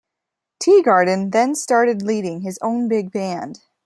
Teagarden then started leading his own big band.